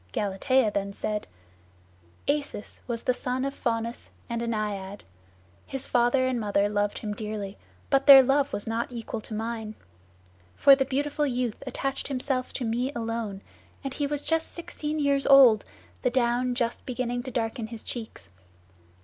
Galatea then said, "Acis was the son of Faunus and a Naiad. His father and mother loved him dearly, but their love was not equal to mine. For the beautiful youth attached himself to me alone, and he was just sixteen years old, the down just beginning to darken his cheeks.